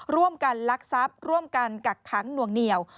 ร่วมกันลักษัพย์ร่วมกันกักขังนวงเหนี่ยว